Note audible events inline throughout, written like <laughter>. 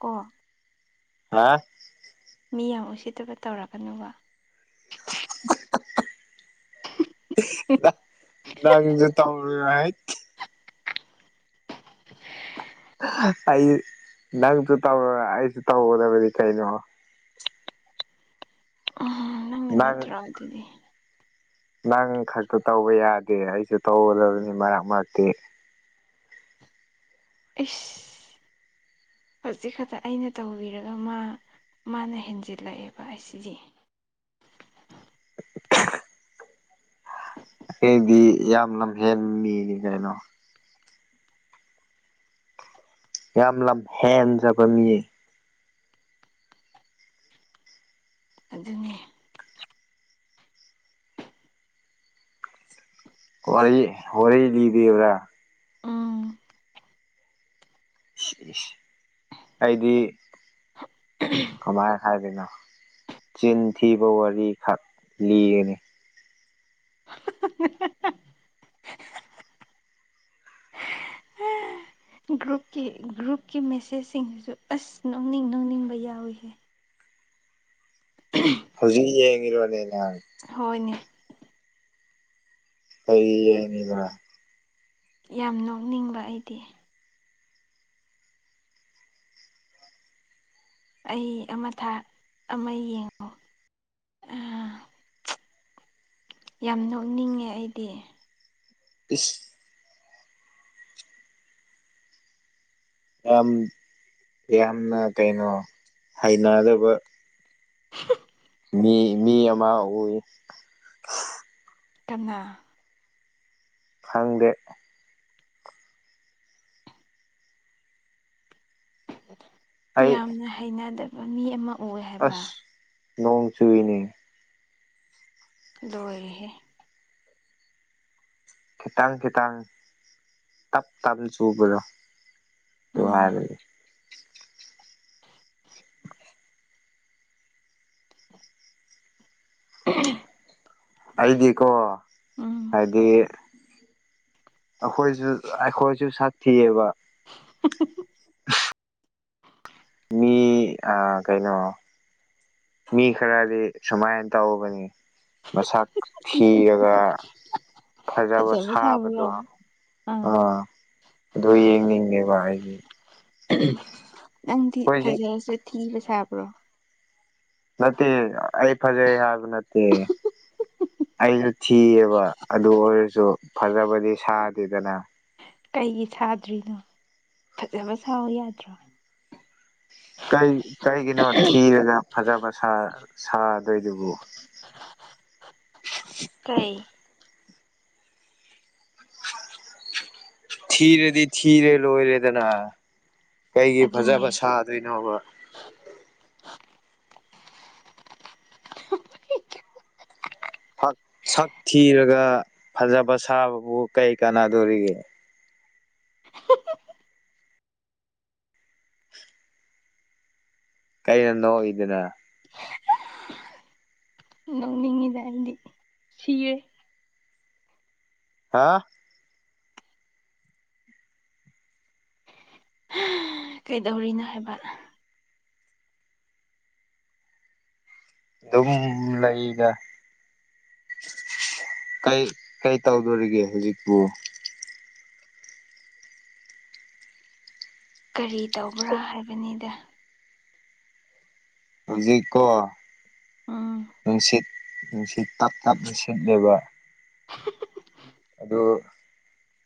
ꯀꯣ ꯍꯥ ꯃꯤ ꯌꯥꯝ ꯎꯁꯤꯠꯇꯕ ꯇꯧꯔꯛꯀꯅꯨꯕ꯫ ꯅꯪꯖꯨ ꯇꯧꯔꯨꯅꯣ ꯍꯥꯏꯠ ꯑꯩ ꯅꯪꯁꯨ ꯇꯧꯔ ꯑꯩꯁꯨ ꯇꯧꯒꯗꯕꯗꯤ ꯀꯩꯅꯣ꯫ ꯎꯝ ꯅꯪꯅ ꯅꯪ ꯅꯠꯇ꯭ꯔꯣ ꯑꯗꯨꯗꯤ꯫ ꯅꯪ ꯈꯛꯇ ꯇꯧꯕ ꯌꯥꯗꯦ ꯑꯩꯁꯨ ꯇꯧꯒꯗꯕꯅꯤ ꯃꯔꯛ ꯃꯔꯛꯇꯤ꯫ ꯏꯁ ꯍꯧꯖꯤꯛ ꯈꯠꯇ ꯑꯩꯅ ꯇꯧꯕꯤꯔꯒ ꯃꯥ꯫ ꯃꯥꯅ ꯍꯦꯟꯖꯤꯜꯂꯛꯑꯦꯕ ꯑꯁꯤꯖꯦ꯫ ꯑꯦꯗꯤ ꯌꯥꯝ ꯂꯝꯍꯦꯟ ꯃꯤꯅꯤ ꯀꯩꯅꯣ꯫ ꯌꯥꯝ ꯂꯝꯍꯦꯟꯖꯕ ꯃꯤ꯫ ꯑꯗꯨꯅꯦ ꯋꯥꯔꯤ ꯋꯥꯔꯤ ꯂꯤꯕꯤꯌꯨꯔꯥ ꯎꯝ ꯁꯤ ꯏꯁ ꯑꯩꯗꯤ ꯀꯃꯥꯏ ꯍꯥꯏꯒꯅꯣ ꯆꯤꯟ ꯊꯤꯕ ꯋꯥꯔꯤꯈꯛ ꯂꯤꯒꯅꯤ <unintelligible> ꯒ꯭ꯔꯨꯞꯀꯤ ꯒ꯭ꯔꯨꯞꯀꯤ ꯃꯦꯁꯦꯁꯁꯤꯡꯁꯤꯁꯨ ꯑꯁ ꯅꯣꯛꯅꯤꯡ ꯅꯣꯛꯅꯤꯡꯕ ꯌꯥꯎꯋꯤꯍꯦ <unintelligible> ꯍꯧꯖꯤꯛ ꯌꯦꯡꯉꯤꯔꯣꯅꯦ ꯅꯪ ꯍꯣꯏꯅꯦ ꯀꯩ ꯌꯦꯡꯉꯤꯕ ꯌꯥꯝ ꯅꯣꯛꯅꯤꯡꯕ ꯑꯩꯗꯤ ꯑꯩ ꯑꯃ ꯊꯥ ꯑꯃ ꯌꯦꯡꯉꯣ ꯑꯥ ꯌꯥꯝ ꯅꯣꯛꯅꯤꯡꯉꯦ ꯑꯩꯗꯤ ꯏꯁ ꯌꯥꯝ ꯌꯥꯝꯅ ꯀꯩꯅꯣ ꯍꯩꯅꯥꯗꯕ <unintelligible> ꯃꯤ ꯃꯤ ꯑꯃ ꯎꯏ ꯀꯅꯥ ꯈꯪꯗꯦ ꯑꯩ ꯌꯥꯝꯅ ꯍꯩꯅꯗꯕ ꯃꯤ ꯑꯃ ꯎꯑꯦ ꯍꯥꯏꯕ ꯑꯁ ꯅꯣꯡ ꯆꯨꯏꯅꯦ ꯂꯣꯏꯔꯦꯍꯦ ꯈꯤꯇꯪ ꯈꯤꯇꯪ ꯇꯞ ꯇꯞꯅ ꯆꯨꯕꯗꯣ ꯗꯨ ꯎꯝ ꯍꯥꯢꯕꯅꯤ <unintelligible> ꯑꯩꯗꯤꯀꯣ ꯎꯝ ꯍꯥꯏꯗꯤ ꯑꯈꯣꯏꯖꯨ ꯑꯩꯈꯣꯏꯁꯨ ꯁꯛ ꯊꯤꯑꯦꯕ <unintelligible> <unintelligible> ꯃꯤ ꯑꯥ ꯀꯩꯅꯣ ꯃꯤ ꯈꯔꯗꯤ ꯁꯨꯃꯥꯏꯟ ꯇꯧꯕꯅꯤ ꯃꯁꯛ ꯊꯤꯔꯒ ꯐꯖꯕ ꯁꯥꯕꯗꯣ ꯑꯥ ꯑꯗꯨ ꯌꯦꯡꯅꯤꯡꯗꯦꯕ ꯑꯩꯗꯤ ꯅꯪꯗꯤ ꯑꯩꯈꯣꯏꯁꯤ ꯐꯖꯔꯁꯨ ꯊꯤꯕ ꯁꯥꯕ꯭ꯔꯣ ꯅꯠꯇꯦ ꯑꯩ ꯐꯖꯩ ꯍꯥꯏꯕ ꯅꯠꯇꯦ ꯑꯩꯖꯨ ꯊꯤꯌꯦꯕ ꯑꯗꯨ ꯑꯣꯏꯔꯖꯨ ꯐꯖꯕꯗꯤ ꯁꯥꯗꯦꯗꯅ ꯀꯩꯒꯤ ꯁꯥꯗ꯭ꯔꯤꯅꯣ ꯐꯖꯕ ꯁꯥꯎ ꯌꯥꯗ꯭ꯔꯣ ꯀꯩ ꯀꯔꯤꯒꯤꯅꯣ ꯊꯤꯔꯒ ꯐꯖꯕ ꯁꯥ ꯁꯥꯗꯣꯏꯗꯨꯕꯨ <unintelligible> ꯀꯩ ꯊꯤꯔꯗꯤ ꯊꯤꯔꯦ ꯂꯣꯏꯔꯦꯗꯅ ꯀꯩꯒꯤ ꯑꯗꯨꯅꯦ ꯐꯖꯕ ꯁꯥꯗꯣꯏꯅꯣꯕ ꯐꯛ ꯁꯛ ꯊꯤꯔꯒ ꯐꯖꯕ ꯁꯥꯕꯕꯨ ꯀꯩ ꯀꯥꯟꯅꯗꯣꯔꯤꯒꯦ ꯀꯩꯅꯣ ꯅꯣꯛꯏꯗꯨꯅ ꯅꯣꯛꯅꯤꯡꯉꯤꯗ ꯑꯩꯗꯤ ꯁꯤꯌꯦ ꯍꯥꯥ ꯍ ꯀꯩꯗꯧꯔꯤꯅꯣ ꯍꯥꯏꯕ ꯑꯗꯨꯝ ꯂꯩꯗ ꯀꯩ ꯀꯩ ꯇꯧꯗꯣꯔꯤꯒꯦ ꯍꯨꯖꯤꯛꯄꯨ ꯀꯔꯤ ꯇꯧꯕ꯭ꯔꯥ ꯍꯥꯏꯕꯅꯤꯗ ꯍꯧꯖꯤꯛꯀꯣ ꯎꯝ ꯅꯨꯡꯁꯤꯠ ꯅꯨꯡꯁꯤꯠ ꯇꯞ ꯇꯞꯅ ꯁꯤꯠꯂꯦꯕ <unintelligible> ꯑꯗꯨ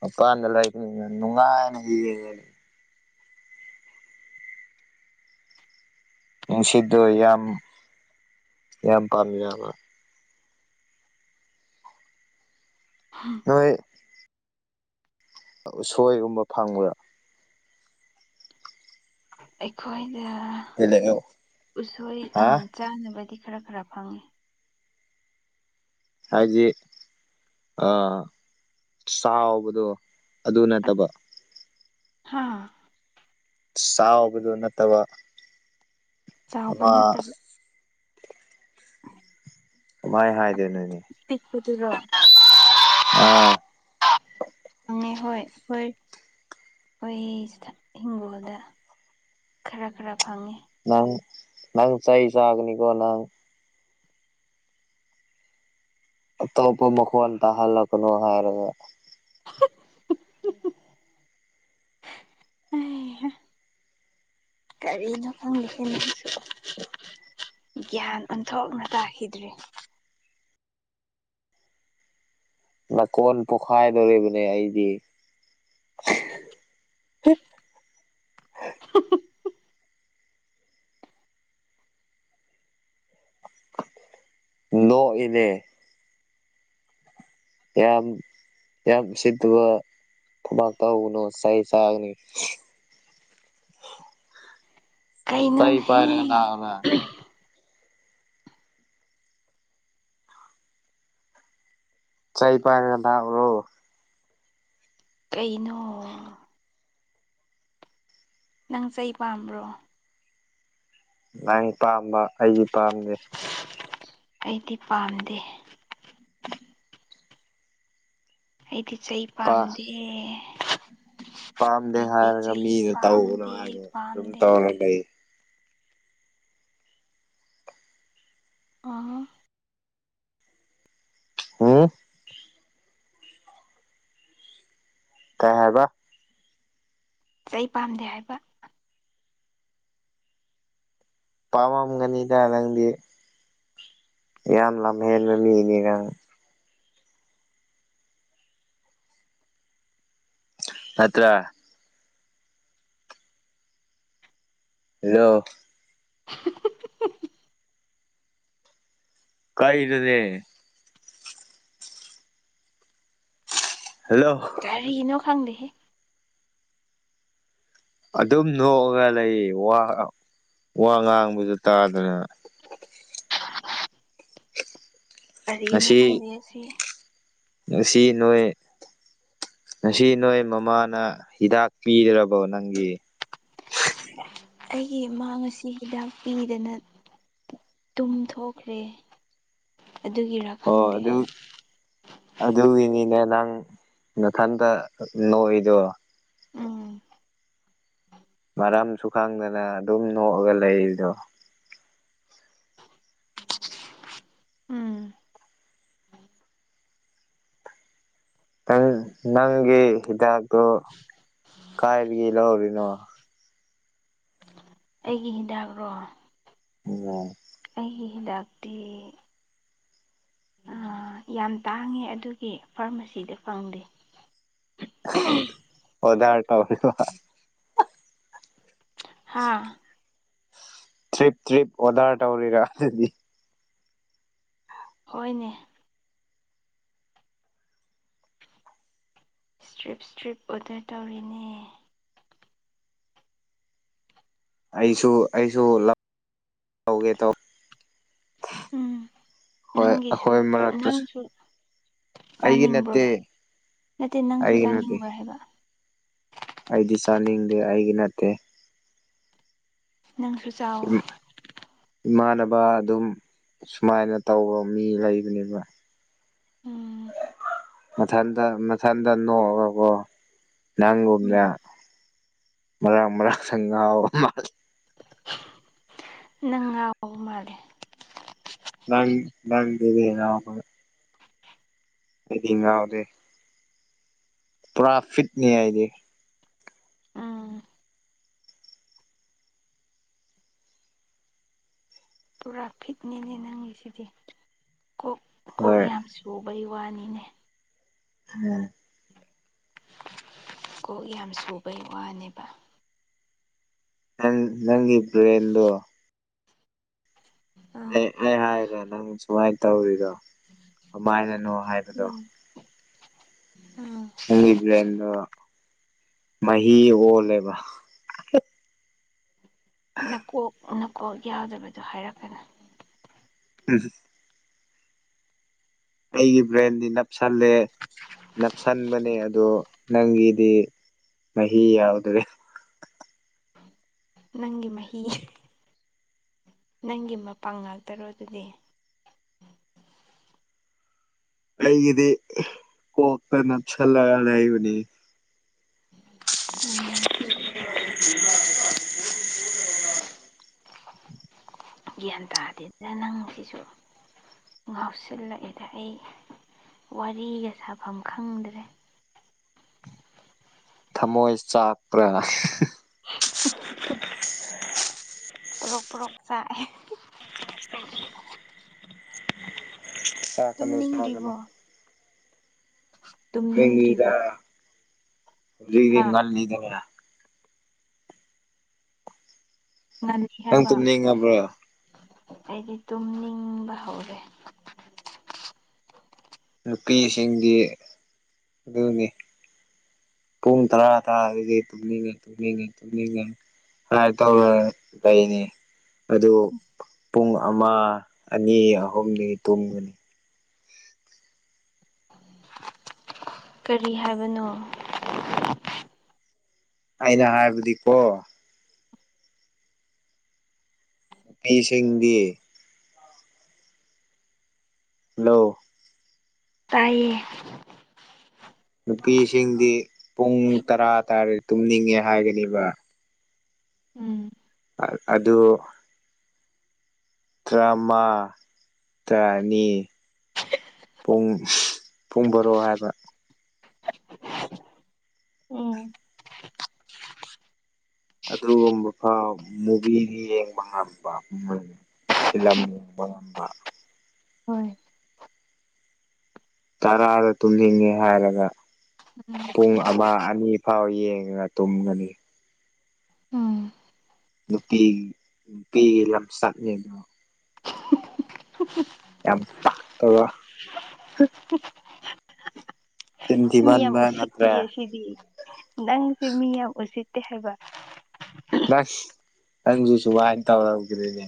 ꯃꯄꯥꯟꯗ ꯂꯩꯕꯅꯤꯅ ꯅꯨꯡꯉꯥꯏꯅ ꯌꯦꯡꯉ ꯉꯁꯤꯗꯣ ꯌꯥꯝ ꯌꯥꯝ ꯄꯥꯝꯖꯕ ꯍꯥ ꯍꯣꯏ ꯎꯁꯣꯏꯒꯨꯝꯕ ꯐꯪꯕꯔꯥ ꯑꯩꯈꯣꯏꯗ ꯍꯦꯜꯂꯛꯑꯣ ꯎꯁꯣꯏ ꯍꯥ ꯑꯥ ꯆꯥꯅꯕꯗꯤ ꯈꯔ ꯈꯔ ꯐꯪꯉꯤ ꯍꯥꯏꯗꯤ ꯑꯥ ꯆꯥꯎꯕꯗꯣ ꯑꯗꯨ ꯅꯠꯇꯕ ꯍꯥꯥ ꯆꯥꯎꯕꯗꯣ ꯅꯠꯇꯕ ꯆꯥꯎꯕ ꯑꯃ ꯅꯠꯇꯕ ꯀꯃꯥꯏ ꯍꯥꯏꯗꯨꯏꯅꯣꯅꯦ ꯄꯤꯛꯄꯗꯨꯔꯣ <unintelligible> ꯑꯥ ꯐꯪꯉꯦ ꯍꯣꯏ ꯍꯣꯏ ꯈꯣꯏꯁꯤꯗ ꯍꯤꯡꯒꯣꯜꯗ ꯈꯔ ꯈꯔ ꯐꯪꯉꯦ ꯅꯪ ꯅꯪ ꯆꯩ ꯆꯥꯒꯅꯤꯀꯣ ꯅꯪ ꯑꯇꯣꯞꯄ ꯃꯈꯣꯟ ꯇꯥꯍꯜꯂꯛꯀꯅꯣ ꯍꯥꯏꯔꯒ <unintelligible> ꯍꯩ ꯍꯥ ꯀꯔꯤꯅꯣ ꯈꯪꯗꯦꯍꯦ ꯅꯪꯁꯨ ꯒ꯭ꯌꯥꯟ ꯑꯣꯟꯊꯣꯛꯅ ꯇꯥꯈꯤꯗ꯭ꯔꯦ ꯅꯥꯀꯣꯟ ꯄꯣꯈꯥꯏꯗꯣꯔꯤꯕꯅꯦ ꯑꯩꯗꯤ ꯅꯣꯛꯏꯅꯦ ꯌꯥꯝ ꯌꯥꯝ ꯎꯁꯤꯠꯇꯕ ꯊꯕꯥꯛ ꯇꯧꯒꯅꯣ ꯆꯩ ꯆꯥꯒꯅꯤ ꯆꯩ ꯀꯩꯅꯣꯟꯍꯦ ꯄꯥꯏꯔꯒ ꯂꯥꯛꯑꯣꯔꯥ ꯆꯩ ꯄꯥꯏꯔꯒ ꯂꯥꯛꯎꯔꯣ ꯀꯩꯅꯣ ꯅꯪ ꯆꯩ ꯄꯥꯝꯕ꯭ꯔꯣ ꯅꯪ ꯄꯥꯝꯕ ꯑꯩꯗꯤ ꯄꯥꯝꯗꯦ ꯑꯩꯗꯤ ꯄꯥꯝꯗꯦ ꯑꯩꯗꯤ ꯆꯩ ꯄꯥꯝꯗꯦ ꯄꯥꯝꯗꯦ ꯑꯩꯗꯤ ꯍꯥꯏꯔꯒ ꯆꯩ ꯃꯤꯅ ꯇꯧꯒꯅꯨ ꯄꯥꯝꯗꯦ ꯍꯥꯏꯔꯒ ꯑꯗꯨꯝ ꯄꯥꯝꯗꯦ ꯇꯧꯔ ꯂꯩ ꯑꯥ ꯍꯨꯝ ꯀꯩ ꯍꯥꯏꯕ ꯆꯩ ꯄꯥꯝꯗꯦ ꯍꯥꯏꯕ ꯄꯥꯝꯃꯝꯒꯅꯤꯗ ꯅꯪꯗꯤ ꯌꯥꯝ ꯂꯝꯍꯦꯟꯕ ꯃꯤꯅꯤ ꯅꯪ ꯅꯠꯇ꯭ꯔꯥ ꯍꯜꯂꯣ <unintelligible> ꯀꯥꯏꯗꯅꯦ ꯍꯥꯜꯂꯣ ꯀꯔꯤꯅꯣ ꯈꯪꯗꯦꯍꯦ ꯑꯗꯨꯝ ꯅꯣꯛꯑꯒ ꯂꯩ ꯋꯥ ꯋꯥ ꯉꯥꯡꯕꯖꯨ ꯇꯥꯗꯅ ꯀꯔꯤꯅꯣ ꯉꯁꯤ ꯈꯪꯗꯦ ꯑꯁꯤ ꯉꯁꯤ ꯅꯣꯏ ꯉꯁꯤ ꯅꯣꯏ ꯃꯃꯥꯅ ꯍꯤꯗꯥꯛ ꯄꯤꯗ꯭ꯔꯕꯣ ꯅꯪꯒꯤ ꯑꯩꯒꯤ ꯏꯃꯥ ꯉꯁꯤ ꯍꯤꯗꯥꯛ ꯄꯤꯗꯅ ꯇꯨꯝ ꯊꯣꯛꯈ꯭ꯔꯦ ꯑꯗꯨꯒꯤ ꯔ ꯑꯣ ꯑꯗꯨꯛ ꯑꯗꯨꯒꯤꯅꯤꯗ ꯅꯪ ꯃꯊꯟꯗ ꯅꯣꯛꯏꯗꯣ ꯎꯝ ꯃꯔꯝꯁꯨ ꯈꯪꯗꯅ ꯑꯗꯨꯝ ꯅꯣꯛꯑꯒ ꯂꯩꯔꯤꯗꯣ ꯎꯝ ꯅꯪ ꯅꯪꯒꯤ ꯍꯤꯗꯥꯛꯇꯣ ꯀꯥꯏꯗꯒꯤ ꯂꯧꯔꯨꯏꯅꯣ ꯑꯩꯒꯤ ꯍꯤꯗꯥꯛꯔꯣ <unintelligible> ꯑꯩꯒꯤ ꯍꯤꯗꯥꯛꯇꯤ ꯑꯥ ꯌꯥꯝ ꯇꯥꯡꯉꯦ ꯑꯗꯨꯒꯤ ꯐꯥꯔꯃꯥꯁꯤꯗ ꯐꯪꯗꯦ ꯑꯣꯔꯗ꯭ꯔ ꯇꯧꯍꯤꯕꯣ ꯍꯥꯥ ꯇ꯭ꯔꯤꯞ ꯇ꯭ꯔꯤꯞ ꯑꯣꯔꯗꯔ ꯇꯧꯔꯤꯔ ꯑꯗꯨꯗꯤ ꯍꯣꯏꯅꯦ ꯏꯁꯇ꯭ꯔꯤꯞ ꯏꯁꯇ꯭ꯔꯤꯞ ꯑꯣꯗꯔ ꯇꯧꯔꯤꯅꯦ ꯑꯩꯁꯨ ꯑꯩꯁꯨ ꯂꯞ ꯇꯧꯒꯦ ꯇꯧ ꯎꯝ ꯍꯣꯏ ꯅꯪꯒꯤꯁꯨ ꯑꯩꯈꯣꯏ ꯃꯔꯛꯇꯁ ꯅꯪꯁꯨ ꯑꯩꯒꯤ ꯆꯥꯅꯤꯡꯕ꯭ꯔꯣ ꯅꯠꯇꯦ ꯅꯠꯇꯦ ꯅꯪꯁꯨ ꯑꯩꯒꯤ ꯅꯠꯇꯦ ꯆꯥꯅꯤꯡꯕ꯭ꯔꯣ ꯍꯥꯏꯕ ꯑꯩꯗꯤ ꯆꯥꯅꯤꯡꯗꯦ ꯑꯩꯒꯤ ꯅꯠꯇꯦ ꯅꯪꯁꯨ ꯆꯥꯎꯋꯣ ꯏꯃꯥꯟꯅꯕ ꯑꯗꯨꯝ ꯁꯨꯃꯥꯏꯜꯂ ꯇꯧꯕ ꯃꯤ ꯂꯩꯕꯅꯦꯕ ꯎꯝ ꯃꯊꯟꯗ ꯃꯊꯟꯗ ꯅꯣꯛꯑꯒꯀꯣ ꯅꯪꯒꯨꯝꯅ ꯎꯝ ꯃꯔꯛ ꯃꯔꯛꯇ ꯉꯥꯎꯕ ꯃꯥꯜꯂꯦ ꯅꯪ ꯉꯥꯎ ꯃꯥꯜꯂꯦ ꯅꯪ ꯅꯪꯕꯨꯅꯦ ꯉꯥꯎꯕ ꯑꯩꯗꯤ ꯉꯥꯥꯎꯗꯦ ꯄꯨꯔꯥ ꯐꯤꯠꯅꯦ ꯍꯥꯏꯗꯤ ꯎꯝ ꯄꯨꯔꯥ ꯐꯤꯠꯅꯤꯅꯦ ꯅꯪꯒꯤ ꯁꯤꯗꯤ ꯀꯣꯛ ꯀꯣꯛ ꯍꯣꯏ ꯌꯥꯝꯁꯨ ꯇꯣꯕꯩ ꯋꯥꯅꯤꯅꯦ ꯎꯝ ꯀꯣꯛ ꯌꯥꯝ ꯁꯨꯕꯩ ꯋꯥꯅꯦꯕ ꯅꯪ ꯅꯪꯒꯤ ꯕ꯭ꯔꯦꯟꯗꯣ ꯎꯝ ꯑꯩ ꯑꯩ ꯍꯥꯏꯗ꯭ꯔ ꯅꯪ ꯁꯨꯃꯥꯏꯟ ꯇꯧꯔꯤꯗꯣ ꯀꯃꯥꯏꯅꯅꯣ ꯍꯥꯏꯕꯗꯣ ꯎꯝ ꯎꯝ ꯅꯪꯒꯤ ꯕ꯭ꯔꯦꯟꯗꯣ ꯃꯍꯤ ꯑꯣꯜꯂꯦꯕ ꯅꯀꯣꯛ ꯅꯀꯣꯛ ꯌꯥꯎꯗꯕꯗꯣ ꯍꯥꯏꯔꯛꯀꯅꯣ <unintelligible> ꯑꯩꯒꯤ ꯕ꯭ꯔꯦꯟꯗꯤ ꯅꯞꯁꯜꯂꯦ꯫ ꯅꯞꯁꯟꯕꯅꯦ ꯑꯗꯣ ꯅꯪꯒꯤꯗꯤ ꯃꯍꯤ ꯌꯥꯎꯗ꯭ꯔꯦ꯫ ꯅꯪꯒꯤ ꯃꯍꯤ ꯅꯪꯒꯤ ꯃꯄꯡ ꯉꯥꯛꯇꯔꯣ ꯑꯗꯨꯗꯤ꯫ ꯑꯩꯒꯤꯗꯤ ꯀꯣꯛꯇ ꯅꯞꯁꯜꯂꯒ ꯂꯩꯕꯅꯤ꯫ ꯎꯝ <inaudible> ꯒ꯭ꯌꯥꯟ ꯇꯥꯗꯦꯗ ꯅꯪꯁꯤꯁꯨ꯫ ꯉꯥꯎꯁꯤꯜꯂꯛꯑꯦꯗ ꯑꯩ ꯋꯥꯔꯤꯒ ꯁꯥꯐꯝ ꯈꯪꯗꯔꯦ ꯫ ꯊꯝꯃꯣꯏ ꯆꯥꯛꯄ꯭ꯔꯥ꯫ ꯄ꯭ꯔꯣꯛ ꯄ꯭ꯣꯔꯛ ꯆꯥꯛꯑꯦ꯫ <unintelligible> ꯆꯥꯛꯀꯅꯨ ꯇꯨꯝꯅꯤꯡꯗ꯭ꯔꯤꯕꯣ ꯆꯥꯒꯅꯣ꯫ ꯇꯨꯝꯅꯤꯡꯗ꯭ꯔꯤꯕꯣ꯫ ꯍꯨꯖꯤꯛꯇꯤ ꯍꯥ ꯉꯜꯂꯤꯗꯅꯥ꯫ ꯉꯜꯂꯤ ꯅꯪ ꯍꯥꯏꯕ ꯇꯨꯝꯅꯤꯡꯉꯕ꯭ꯔꯣ ꯑꯩꯗꯤ ꯇꯨꯝꯅꯤꯡꯕ ꯍꯧꯔꯦ꯫ ꯅꯨꯄꯤꯁꯤꯡꯗꯤ ꯗꯨꯅꯤ꯫ ꯄꯨꯡ ꯇꯔꯥ ꯇꯥꯔꯗꯤ ꯇꯨꯝꯅꯤꯡꯉꯦ ꯇꯨꯝꯅꯤꯡꯉꯦ ꯇꯨꯝꯅꯤꯡꯉꯦ꯫ ꯍꯥꯏ ꯇꯧꯔ ꯂꯩꯅꯤ ꯑꯗꯨ꯫ ꯄꯨꯡ ꯑꯃꯥ ꯑꯅꯤ ꯑꯍꯨꯝꯗꯤ ꯇꯨꯝꯒꯅꯤ꯫ <inaudible> ꯀꯔꯤ ꯍꯥꯏꯕꯅꯣ꯫ ꯑꯩꯅ ꯍꯥꯏꯕꯗꯤꯀꯣ꯫ ꯑꯩꯁꯤꯡꯗꯤ ꯫ ꯂꯣ ꯇꯥꯏꯌꯦ ꯅꯨꯄꯤꯁꯤꯡꯗꯤ ꯄꯨꯡ ꯇꯔꯥ ꯇꯥꯔ ꯇꯨꯝꯅꯤꯡꯉꯦ ꯍꯥꯏꯒꯅꯤꯕꯥ꯫ ꯎꯝ ꯑ ꯑꯗꯨ ꯆꯥꯝꯃ ꯇꯔꯥꯅꯤ ꯄꯨꯡ ꯄꯨꯡ ꯕꯔꯣ ꯍꯥꯏꯕ ꯎꯝ ꯑꯗꯨꯒꯨꯝꯕꯐꯥꯎ ꯃꯨꯚꯤꯗꯤ ꯌꯦꯡꯕ ꯉꯝꯕ ꯃꯅꯤ ꯐꯤꯂꯝ ꯌꯦꯡꯕ ꯉꯝꯕ ꯍꯣꯏ ꯇꯔꯥꯗ ꯇꯨꯝꯅꯤꯡꯉꯦ ꯍꯥꯏꯔꯒ ꯄꯨꯡ ꯑꯃꯥ ꯑꯅꯤ꯫ ꯐꯥꯎ ꯌꯦꯡꯔ ꯇꯨꯝꯒꯅꯤ ꯎꯝ ꯅꯨꯄꯤ ꯅꯨꯄꯤꯒꯤ ꯂꯝꯆꯠꯅꯦ ꯗꯣ꯫ ꯌꯥꯝ ꯄꯥꯛꯇꯕ꯫ ꯆꯤꯟ ꯃꯤ ꯌꯥꯝ ꯊꯤꯃꯟꯕ ꯅꯠꯇ꯭ꯔꯦ ꯎꯁꯤꯠꯇꯤꯌꯦ ꯁꯤꯗꯤ ꯅꯪꯁꯦ ꯃꯤ ꯌꯥꯝ ꯎꯁꯤꯠꯇꯦ ꯍꯥꯏꯕ꯫ ꯅꯁ ꯅꯪꯖꯨ ꯖꯨꯃꯥꯏ ꯇꯧꯔꯝꯒ꯭ꯔꯤꯅꯦ꯫